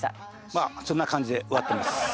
まあそんな感じで終わってます。